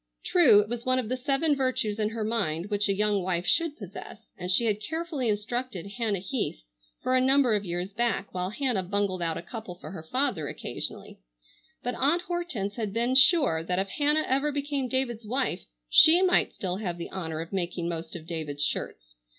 True, it was one of the seven virtues in her mind which a young wife should possess, and she had carefully instructed Hannah Heath for a number of years back, while Hannah bungled out a couple for her father occasionally, but Aunt Hortense had been sure that if Hannah ever became David's wife she might still have the honor of making most of David's shirts.